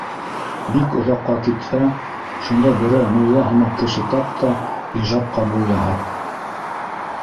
Бик оҙаҡҡа китһә, шунда берәй мулла һымаҡ кеше тап та, ижап ҡабул яһат.